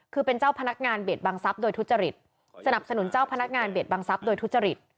คือเป็นเจ้าพนักงานเบียดบังทรัพย์โดยทุจริตสนับสนุนเจ้าพนักงานเบียดบังทรัพย์โดยทุจริต